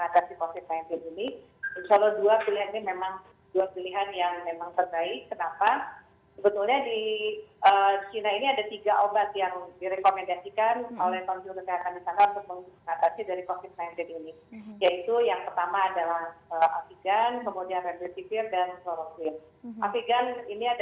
kami berusaha nanti memberikan langsungan langsungan kepada pemerintah dan pemerintah pemerintah untuk memberikan perhatian perhatian yang sekiranya dapat menjadi satu penyulit